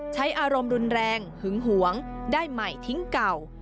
ใช้อารมณ์รุนแรงหึงหวงได้ใหม่ทิ้งเก่า